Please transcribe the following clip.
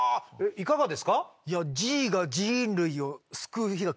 いかがですか？